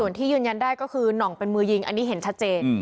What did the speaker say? ส่วนที่ยืนยันได้ก็คือหน่องเป็นมือยิงอันนี้เห็นชัดเจน